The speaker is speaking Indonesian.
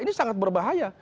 ini sangat berbahaya